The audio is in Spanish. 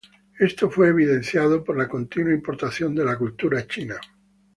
Esto fue evidenciado por la continua importación de la cultura china.